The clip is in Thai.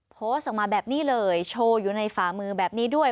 โพสต์ออกมาแบบนี้เลยโชว์อยู่ในฝ่ามือแบบนี้ด้วย